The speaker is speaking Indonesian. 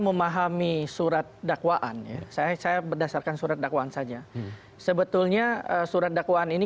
memahami surat dakwaan ya saya saya berdasarkan surat dakwaan saja sebetulnya surat dakwaan ini